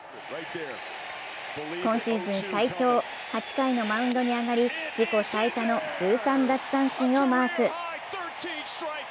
今シーズン最長、８回のマウンドに上がり、自己最多の１３奪三振をマーク。